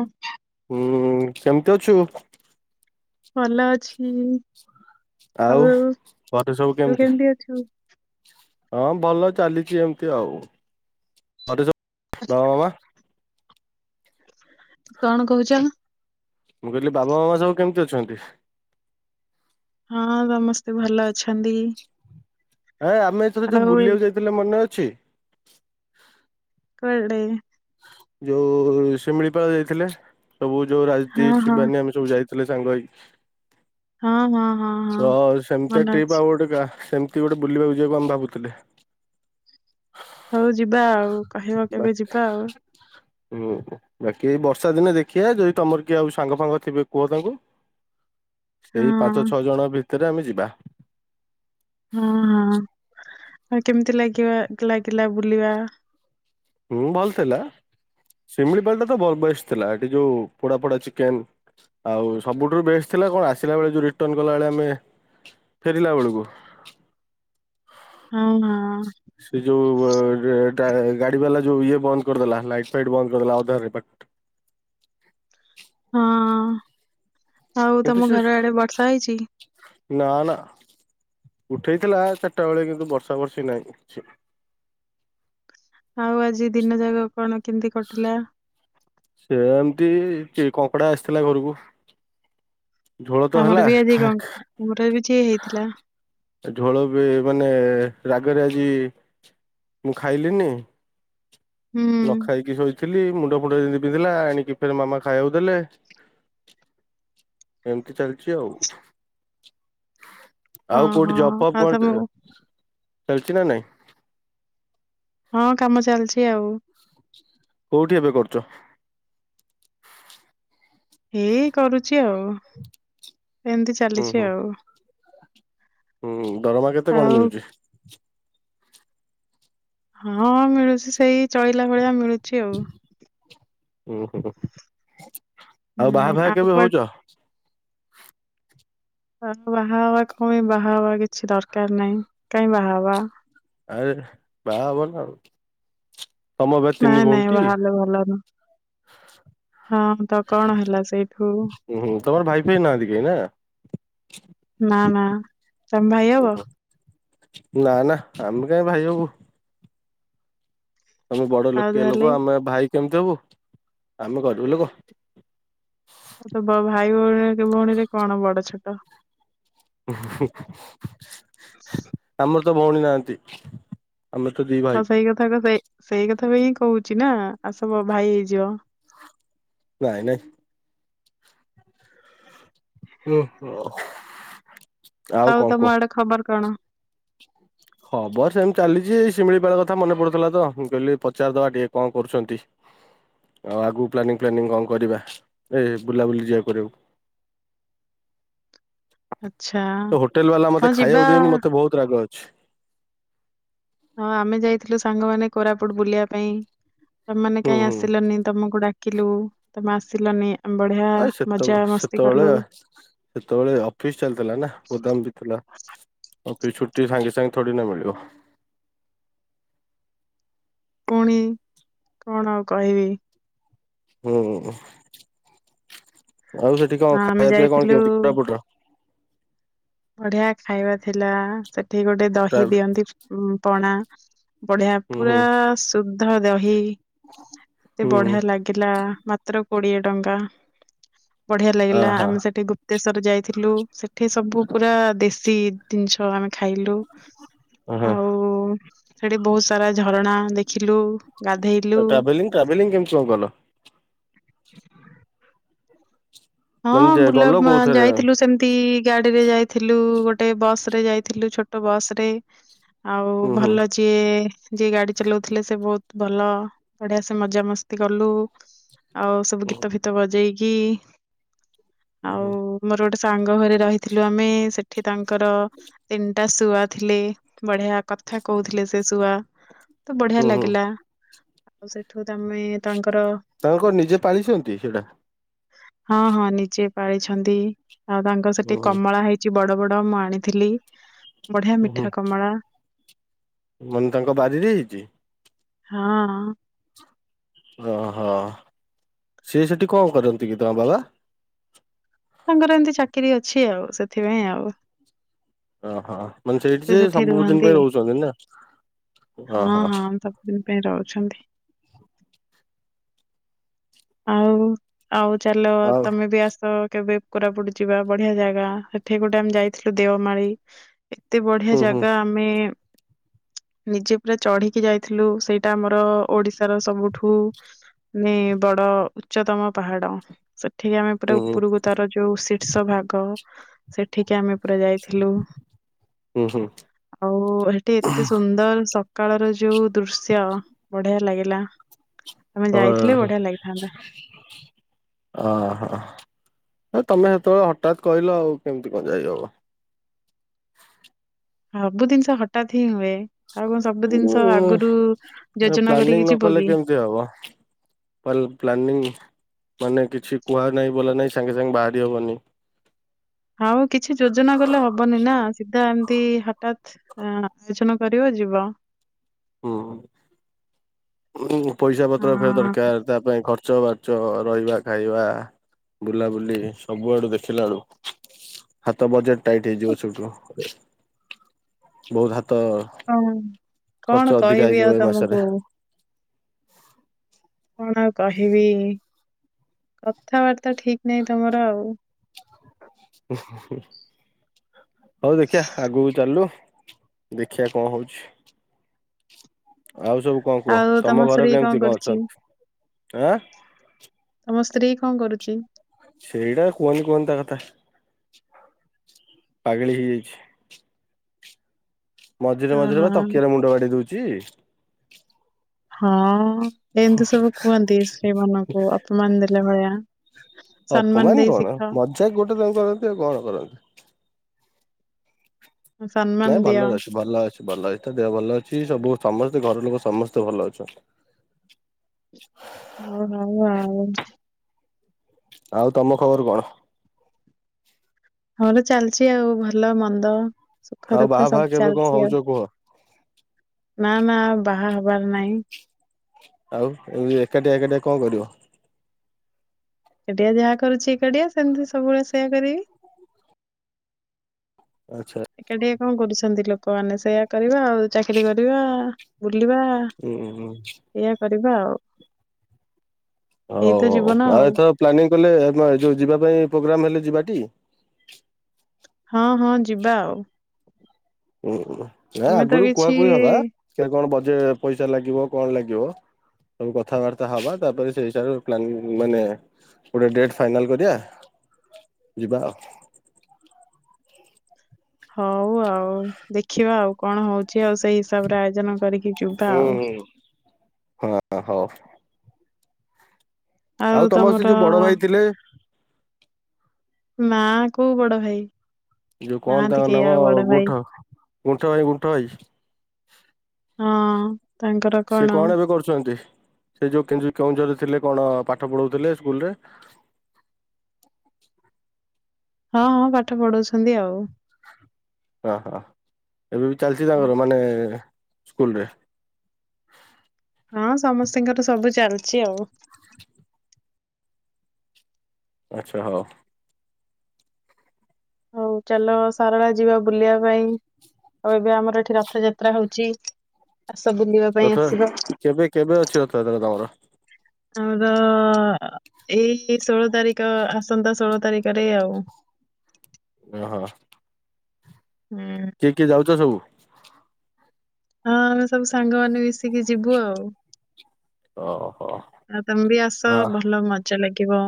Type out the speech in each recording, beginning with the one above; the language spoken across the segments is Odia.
ହ ଉଁ କେମିତି ଅଛୁ? ଭଲ ଅଛି। ଆଉ ଘରେ ସବୁ ତୁ କେମିତି ଅଛୁ? ହଁ ଭଲ ଚାଲିଚି ଏମତି ଆଉ। [unintelligible] କଣ କହୁଚ? ମୁଁ କହିଲି ବାବା ମାମା ସବୁ କେମିତି ଅଛନ୍ତି? ହଁ ସମସ୍ତେ ଭଲ ଅଛନ୍ତି। ଏ ଆମେ ଏ ଥର ଯୋଉ ଆଉ ଏ- ବୁଲିବାକୁ ଯାଇଥିଲେ ମନେ ଅଛି? କୁଆଡ଼େ? ଯୋଉ ଶିମିଳିପାଳ ଯାଇଥିଲେ। ସବୁ ଯୋଉ ହଁ ରାଜଦୀପ୍, ହଁ ଶିବାନୀ ଆମେ ଯୋଉ ଯାଇଥିଲେ ସାଙ୍ଗ ହେଇ ହଁ ହଁ ହଁ। ହଁ ତ ସେମିତିଆ ମନେ ଟ୍ରିପ୍ ଅଛି ଆଉ ଗୋଟେ ସେମିତି ଗୋଟେ ବୁଲିବାକୁ ଯିବାକୁ ଆମେ ଭାବୁଥିଲେ। ହଉ ଯିବା ଆଉ। କହିବ କେବେ ବାକି ଯିବା ଆଉ। ହୁଁ। ବାକି ଏଇ ବର୍ଷା ଦିନେ ଦେଖିବା ଯଦି ତମର କିଏ ଆଉ ସାଙ୍ଗ ଫାଙ୍ଗ ଥିବେ କୁହ ତାଙ୍କୁ। ସେଇ ପାଞ୍ଚ ହଁ ଛଅ ଜଣ ଭିତରେ ଆମେ ଯିବା। ହଁ ହଁ। ଆଉ କେମିତି ଲାଗିବା ଲାଗିଲା ବୁଲିବା? ହୁଁ ଭଲ୍ ଥିଲା। ଶିମିଳିପାଳ ଟା ତ ବ ବେଷ୍ଟ ଥିଲା। ହେଠି ଯୋଉ ପୋଡା ପୋଡା ଚିକେନ୍ ଆଉ ସବୁଠୁ ବେଷ୍ଟ ଥିଲା କଣ ଆସିଲା ବେଳେ ଯୋଉ ରିଟର୍ଣ କଲାବେଳେ ଆମେ ଫେରିଲା ବେଳୁକୁ ହଁ ହଁ। ସେ ଯୋଉ ଗାଡି ବାଲା ଯୋଉ ଇଏ ବନ୍ଦ କରିଦେଲା ଲାଇଟ୍ ଫାଇଟ୍ ବନ୍ଦ କରିଦେଲା ଅଧାରେ ବା ହଁ। ଆଉ କିନ୍ତୁ ତମ ସେ ଘର ଆଡେ ବର୍ଷା ହେଇଚି? ନା ନା। ଉଠେଇଥିଲା ଚାରିଟା ବେଳେ କିନ୍ତୁ ବର୍ଷା ବର୍ଷି ନାହିଁ କିଛି। ଆଉ ଆଜି ଦିନ ଯାକ କଣ କେମିତି କଟିଲା? ସେମତି କଙ୍କଡା ଆସିଥିଲା ଘରକୁ। ଝୋଳ ତ ହେଲା। ଆମର ବି ଆଜି କଣ ଆମର ବି ଯେ ହେଇଥିଲା ଏ ଝୋଳ ବି ମାନେ ରାଗରେ ଆଜି ମୁଁ ଖାଇଲିନି। ହୁଁ। ନ ଖାଇକି ଶୋଇଥିଲି। ମୁଣ୍ଡ ଫୁଣ୍ଡ ଯେମତି ବିନ୍ଧିଲା ଆଣିକି ଫେରେ ମାମା ଖାଇବାକୁ ଦେଲେ। ଏମତି ଚାଲିଚି ଆଉ। ହଁ ଆଉ ହଁ କୋଉଠି ଜବ୍ ଫବ୍ ଆଉ କଣ ତମ ଚାଲିଚି ନା ନାଇଁ? ହଁ କାମ ଚାଲିଛି ଆଉ। କୋଉଠି ଏବେ କରୁଛ? ହେଇ କରୁଛି ଆଉ ଏମିତି ହୁଁ ଚାଲିଛି ହୁଁ ଆଉ। ହୁଁ ଦରମା କେତେ କଣ ଆଉ ମିଳୁଛି? ହଁ ମିଳୁଛି ସେଇ ଚଳିଲା ଭଳିଆ ମିଳୁଛି ଆଉ। ଓ ହୋ ଆଉ ହୁଁ ବାହା ଫା କେବେ କୁଆଡେ ହଉଛ? ବାହାବା କପାଇ ବାହା ହେବା କିଛି ଦରକାର ନାହିଁ କାହିଁ ବାହା ହେବା। ଆରେ ବାହାହବ ନା ଆଉ। ତମ ଏବେ ତିନି ନାଇଁ ନାଇଁ ଭଉଣୀଟି? ବାହା ହେଲେ ଭଲ ନୁହଁ। ହଁ ତ କଣ ହେଲା ସେଇଠୁ? ହୁଁ ହୁଁ ତମର ଭାଇ ଫାଇ ନାହାନ୍ତି କେହି ନା? ନା ନା ତମେ ଭାଇ ହବ? ନା ନା ଆମେ କାହିଁ ଭାଇ ହବୁ। ତମେ ବଡ ଆଉ ଲୋକିଆ ଲୋକ ତାହେଲେ ଆମେ ଭାଇ କେମିତି ହବୁ ଆମେ କରିବୁ ଲୋକ। ତ ଭାଇ ଭଉଣୀ ଭଉଣୀରେ କଣ ବଡ ଛୋଟ। ଆମର ତ ଭୋଉଣୀ ନହାନ୍ତି। ଆମେ ତ ଦି ହଁ ସେଇ କଥା ସେଇ ସେଇ କଥା ପାଇଁ ହିଁ କହୁଛି ନା ଆସ ମୋ ଭାଇ ହେଇଯିବ। ନାଇଁ ନାଇଁ। ହୁଁ ଅ ଆଉ ତମ ଆଡେ ଖବର କଣ? ଖବର ସେମିତି ଚାଲିଛି ଏଇ ଶିମିଳିପାଳ କଥା ମନେ ପଡୁଥିଲା ତ ମୁଁ କହିଲି ପଚାରଦବା ଟିକେ କଣ କରୁଛନ୍ତି। ଆଉ ଆଗକୁ ପ୍ଲାନିଂ ଫ୍ଲାନିଂ କଣ କରିବା ଏ ବୁଲାବୁଲି ଯିବା କରିବାକୁ? ଆଚ୍ଛା ତ ହୋଟେଲ ବାଲା ମତେ ହଁ ଯିବା ଖାଇବାକୁ ଦେଇନି ମତେ ବହୁତ ରାଗ ଅଛି। ହଁ ଆମେ ଯାଇଥିଲୁ ସାଙ୍ଗମାନେ କୋରାପୁଟ ବୁଲିବା ପାଇଁ ତମମାନେ ହୁଁ କାହିଁ ହୁଁ। ଆସିଲନି ତମକୁ ଡାକି କିଲୁ ତମେ ଆସିଲନି। ଆମେ ବଢିଆ ଆ ମଜା ସେତବେ ମସ୍ତି ସେତେବେଳେ କଲୁ ସେତେବେଳେ ଅଫିସ ଚାଲିଥିଲା ନା ଗୋଦାମ ଥିଲା ଅଫିସ ଛୁଟି ସାଙ୍ଗେ ସାଙ୍ଗେ ଥୋଡି ନା ମିଳିବ। ପୁଣି କଣ ଆଉ କହିବି? ହୁଁ ଆଉ ସେଠି ହଁ କଣ ଆମେ ଖାଇବା ପିଇବା କଣ ଯାଇଥିଲୁ କେମିତି କୋରାପୁଟର? ବଢିଆ ଖାଇବା ଥିଲା ସେଠି ଗୋଟେ ଦହି ହୁଁ ଦିଅନ୍ତି ଉଁ ପଣା ବଢିଆ ହୁଁ ପୁରା ଶୁଦ୍ଧ ଦହି ଏତେ ହୁଁ ହୁଁ ବଢିଆ ଲାଗ କିଲା ମାତ୍ର କୋଡିଏ ଟଙ୍କା ବଢିଆ ଲାଗିଲା ଆହା ଆମେ ସେଠି ଗୁ ଗୁପ୍ତେଶ୍ୱର ଯାଇଥିଲୁ ସେଠି ସବୁ ପୁରା ଦେଶୀ ଜିନିଷ ଆମେ ଖାଇଲୁ ଆହା। ଆଉ ସେଠି ବହୁତ ସାରା ଝରଣା ଦେଖି ଖିଲୁ ଗାଧେଇଲୁ ଟ୍ରାଭେଲିଂ ଟ୍ରାଭେଲିଂ କେମିତି କଣ କଲ? ହଁ ମାନେ ଯେ ବୁଲା ଗଲ କୋଉଥିରେ ଯାଇଥିଲୁ ସେମ ତି ଗାଡିରେ ଯାଇଥିଲୁ ଗୋଟେ ବସ ରେ ଯାଇଥିଲୁ ଛୋଟ ବସ ରେ ଆଉ ହୁଁ ହୁଁ। ଭଲ ଯିଏ ଯିଏ ଗାଡି ଚଲାଉଥିଲେ ସେ ବହୁତ ଭଲ ବଢିଆ ସେ ମଜାମସ୍ତି କଲୁ ଆଉ ସବୁ ହୁଁ ଗୀତ ଫିତ ବଜେଇକି ଆଉ ହୁଁ ମୋର ଗୋଟେ ସାଙ୍ଗ ଘରେ ରହିଥିଲୁ ଆମେ ସେଠି ତାଙ୍କର ତିନ ଟା ଶୁଆ ଥିଲେ ବଢିଆ କଥା କହୁଥିଲେ ସେ ଶୁଆ। ତ ବଢିଆ ହୁଁ ହୁଁ ଲାଗିଲା ଆଉ ସେଠୁ ତମେ ତାଙ୍କର ତାଙ୍କର ନିଜେ ପାଳିଛନ୍ତି ସେଇଟା? ହଁ ହଁ ନିଜେ ପାଳିଛନ୍ତି ଆଉ ତାଙ୍କର ହୁଁ ସେଠି ହୁଁ କମଳା ହେଇ ଚି ବଡ ବଡ ମୁଁ ଆଣିଥିଲି ବଢିଆ ହୁଁ। ମିଠା କମଳା। ମାନେ ତାଙ୍କ ବାରିରେ ହେଇଚି। ହଁ। ଅ ହ ସିଏ ସେଠି କଣ କରନ୍ତି କି ତାଙ୍କ ବାବା? ତାଙ୍କର ଏମିତି ଚାକିରି ଅଛି ଆଉ ସେଥିପାଇଁ ଆଉ। ଅ ହ ମାନେ ସେଇଠି ସେ ସେଠି ସବୁଦିନ ରୁହନ୍ତି ପାଇଁ ରହୁଛନ୍ତି ନା ଅହ। ଦିନ ପାଇଁ ରହୁଛନ୍ତି। ଆଉ ଆଉ ଚାଲ ଆଉ ତମେ ବି ଆସ କେବେ କୋରାପୁଟ ଯିବା ବଢିଆ ଜାଗା ସେଠି ଗୋଟେ ଆମେ ଯାଇଥିଲୁ ଦେଓମାଳି। ଏତେ ବଢିଆ ହୁଁ ହୁଁ ଜାଗା ଆମେ ନିଜେ ପୁରା ଚଢିକି ଯାଇଥିଲୁ, ସେଇଟା ଆମର ଓଡିଶାର ସବୁଠୁ ମାନେ ବଡ ଉଚ୍ଚତମ ପାହାଡ, ସେଠି ଆମେ ହୁଁ ପୁରା ହୁଁ ଉପରକୁ ତାର ଯୋଉ ଶୀର୍ଷ ଭାଗ ସେଠିକି ଆମେ ପୁରା ଯାଇଥିଲୁ। ହୁଁ ହୁଁ ଆଉ ହେଟି ଏତେ ସୁନ୍ଦର ସ ସକାଳର ଯୋଉ ଦୃଶ୍ୟ ବଢିଆ ଲାଗିଲା। ତମେ ଓ ଯାଇଥିଲେ ହୋ, ବଢିଆ ଲାଗିଥାନ୍ତା। ଅ ହ। ତମେ ହେତବେଳେ ହଠାତ୍ କହିଲ ଆଉ କେମିତି କଁ ଯାଇ ହବ। ସବୁ ଜିନିଷ ହଠାତ୍ ହିଁ ହୁଏ। ଆଉ କଣ ସବୁ ଜିନିଷ ଉଁ ଆଗୁରୁ ଯୋଜନା କରିକି ଯିବ କି। ଯେ ଅବ। ପଲ ପ୍ଲାନିଂ ମାନେ କିଛି କୁହା ନାହିଁ ବୋଲା ନାହିଁ ସାଙ୍ଗେ ସାଙ୍ଗେ ବାହାରି ହବନି। ଆଉ କିଛି ଯୋଜନା କଲେ ହବନି ନା ସିଧା ଏମିତି ହଠାତ୍। ହ ଆଲୋଚନା କରିବ ଯିବ। ହୁଁ, ପଇସା ପତ୍ର ଫେର ଦରକାର ତା ପାଇଁ ଖର୍ଚ୍ଚ ବା ଖର୍ଚ ରହିବା ଖାଇବା ବୁଲାବୁଲି ସବୁଆଡୁ ଦେଖିଲାଳୁ ହାତ ବଜେଟ ଟାଇଟ୍ ହେଇଯିବ ସେଇଠୁ, ବହୁତ ହାତ କଂ ଖର୍ଚ୍ଚ କଣ ଅଧିକା କହିବି ହେଇଯିବ ଆଉ ଏ ମାସରେ ତମକୁ। କଣ ଆଉ କହିବି କଥାବାର୍ତା ଠିକ ନାଇଁ ତମର ଆଉ। ହଉ ଦେଖିଆ ଆଗକୁ ଚାଲୁ। ଦେଖିଆ କଁ ହଉଛି। ଆଉ ସବୁ କଣ କୁହ ଆଉ ତମ ଘର ସ୍ତ୍ରୀ କେମିତି କଣ କରୁଛି ଅଛନ୍ତି, ଆଁ? ତମ ସ୍ତ୍ରୀ କଣ କରୁଚି? ସେଇଡ଼ା କୁହନି କୁହନି ତା କଥା ପାଗିଳି ହେଇଯାଇଚି। ମଝିରେ ମଝିରେ ଓହୋ ବା ତକିଆରେ ମୁଣ୍ଡ ବାଡେଇ ଦଉଚି। ହଁ ଏମିତି ସବୁ କୁହନ୍ତି ସ୍ତ୍ରୀ ମାନଙ୍କୁ ଅପମାନ ଦେଲା ଭଳିଆ। ସମ୍ମାନ ଦେଇ ଶିଖ। ସେଇ ଗୋଟେ [unintelligible] ଆଉ କଣ କରନ୍ତି। ନାଇଁ ସମ୍ମାନ ଦିଅ ଭଲରେ ଅଛି ଭଲ ଅଛି ଭଲ ଅଛି ତା ଦେହ ଭଲ ଅଛି ସବୁ ସମସ୍ତେ ଘର ଲୋକ ସମସ୍ତେ ଭଲ ଅଛନ୍ତି। ହଁ ହୋଉ ଆଉ। ଆଉ ତମ ଖବର କଣ? ହର ଚାଲିଛି ଆଉ ଭଲ ମନ୍ଦ ସୁଖ ଆଉ ବାହା ଦୁଃଖ ଫାହା ସବୁ କେବେ କଣ ଚାଲିଛି ହଉଛ ଆଉ। କୁହ? ନା ନା ଆଉ ବାହା ହବାର ନାଇଁ। ଆଉ ଏମ ଏକାଟିଆ ଏକାଟିଆ କଣ କରିବ? ଏକାଟିଆ ଯାହା କରୁଛି ଏକାଡିଆ ସେମିତି ସବୁବେଳେ ସେୟା କରିବି। ଆଚ୍ଛା। ଏକାଟିଆ କଣ କରୁଛନ୍ତି ଲୋକମାନେ ସେଇଆ କରିବା ଆଉ ଚାକିରୀ କରିବା ବୁଲିବା ହୁଁ ହୁଁ ଏଇଆ କରିବା ଆଉ ହଉ ଏଇ ତ ହଉ ଜୀବନ ଆଉ ଏଥର ପ୍ଲାନିଂ କଲେ ଯୋଉ ଯିବା ପାଇଁ ପ୍ରୋଗ୍ରାମ ହେଲେ ଯିବାଟି? ହଁ ହଁ ଯିବା ଆଉ। ଉଁ ଆମେ ତ ଆଗରୁ କିଛି କୁହାକୁହି ହବା କଣ ବଜେ ପଇସା ଲାଗିବ କଣ ଲାଗିବ? ସବୁ କଥାବାର୍ତା ହବା ତାପରେ ସେ ହିସାବରେ ପ୍ଲାନିକ୍ ମାନେ ଗୋଟେ ଡେଟ୍ ଫାଇନାଲ କରିବା ଯିବା ଆଉ ହଉ ଆଉ ଦେଖିବା ଆଉ କଣ ହଉଛି ଆଉ ସେଇ ହିସାବରେ ଆୟୋଜନ କରିକି ଯିବା ହୁଁ ଆଉ। ହୁଁ। ହଁ ହଉ। ଆଉ ସେ ତମର ଯୋଉ ବଡ ଭାଇ ଥିଲେ ମା କୋଉ ବଡ ଭାଇ? ଯୋଉ କଣ ନାହାନ୍ତି ତାଙ୍କ କେହି ନାମ ଆଉ ବଡ ଭାଇ ଗୁଣ୍ଠ ଗୁଣ୍ଠ ଭାଇ ଗୁଣ୍ଠ ଭାଇ। ହଁ। ସେ କଣ ଏବେ କରୁଛନ୍ତି? ସେ ଯୋଉ କେଉଁଝରରେ ଥିଲେ କଣ ପାଠ ପଢ଼ଉଥିଲେ ସ୍କୁଲରେ? ହଁ ହଁ ପାଠ ପଢଉଛନ୍ତି ଆଉ ହଁ ହଁ ଏବେ ବି ଚାଲିଛି ହଁ ତାଙ୍କର ମାନେ ସ୍କୁଲରେ। ହଁ ସମସ୍ତଙ୍କର ସବୁ ଚାଲିଛି ଆଉ। ଆଚ୍ଛା ହଉ। ହଉ ଚାଲ ସାରଳା ଯିବା ବୁଲିବା ପାଇଁ? ଆଉ ଏବେ ଆମର ଏଠି ରଥଯାତ୍ରା ହଉଛି ଆସ ବୁଲିବା ପାଇଁ ରଥ ଆସିଵ? କେବେ କେବେ ଅଛି ରଥଯାତ୍ରା ତମର? ଆମର ଏଇ ଷୋଳ ତାରିଖ ଆସନ୍ତା ଷୋହଳ ତାରିଖରେ ଆଉ ହଁ ହଁ। ହୁଁ। କିଏ କିଏ ଯାଉଛ ସବୁ? ହଁ ଆମେ ସବୁ ସାଙ୍ଗମାନେ ମିଶିକି ଯିବୁ ଆଉ ଓହୋ। ଆଉ ତମେ ବି ଆସ ଆ ଭଲ ମଜା ଲାଗିବ।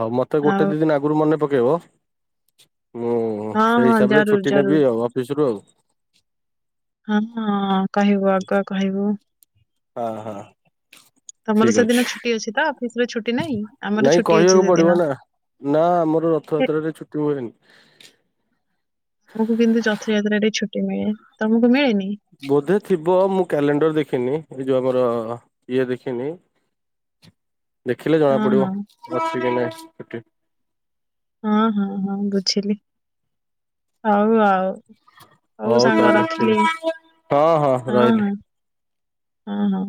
ହଉ ମତେ ଗୋଟେ ଆଉ ଦି ଦିନ ଆଗରୁ ମନେ ପକେଇବ ମୁଁ ହୁଁ ହଁ ସେଇ ହଁ ହିସାବରେ ଜରୁର ଛୁଟି ଜରୁର ନେବି ଆଉ ଅଫିସରୁ ଆଉ। ହଁ ହଁ କହିବୁ ଆଗୁଆ କହିବୁ? ହଁ ହଁ। ତମର ଠିକ ଅଛି ସେଦିନ ଛୁଟି ଅଛି ତ ଅଫିସରେ ଛୁଟି ନାହିଁ ଆମର ନାଇଁ ଛୁଟି କହିବାକୁ ଅଛି ପଡିବ ସେଦିନ। ନା ନା ଆମର ହେ, ରଥଯାତ୍ରାରେ ଛୁଟି ହୁଏନି। ଆମକୁ କିନ୍ତୁ ରଥଯାତ୍ରାରେ ଛୁଟି ମିଳେ ତମକୁ ମିଳେନି। ବୋଧେ ଥିବ ମୁଁ କ୍ୟାଲେଣ୍ଡର ଦେଖିନି ଏଇ ଯୋଉ ଆମର ଇଏ ଦେଖିନି। [inaudible] ଦେଖିଲେ ହଁ ଜଣାପଡ଼ିବ ହଁ ଅଛି କିନାହିଁ ଛୁଟି। ହଁ ହଁ ହଁ ବୁଝିଲି ହଉ ଆଉ। ହଉ ସାଙ୍ଗ ତାହେଲେ ଠିକ ରଖିଲି ହଁ ହଁ ରହିଲି ହଁ। ହଁ ହଁ।